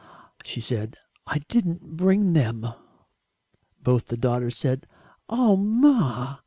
she said, "I didn't bring THEM!" Both the daughters said "Oh, Ma!"